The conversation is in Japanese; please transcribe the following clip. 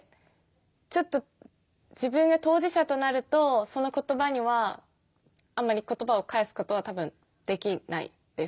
ちょっと自分が当事者となるとその言葉にはあまり言葉を返すことは多分できないです。